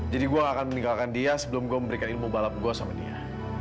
jadi gue akan meninggalkan dia sebelum gue memberikan ilmu balap gue sama dia